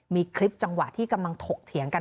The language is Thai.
มีคลิปจังหวะที่กำลังถกเถียงกัน